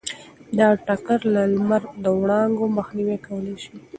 دا ټکر د لمر د وړانګو مخنیوی کولی شي.